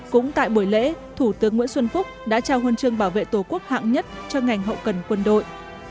cũng tại buổi lễ thủ tướng nguyễn xuân phúc đã trao huân chương bảo vệ tổ quốc hạng nhất cho ngành hậu cần quân đội